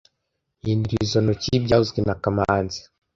Hindura izoi ntoki byavuzwe na kamanzi